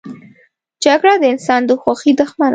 جګړه د انسان د خوښۍ دښمنه ده